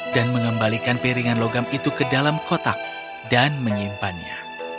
dan mengembalikan piringan logam itu ke dalam kotak dan menyimpannya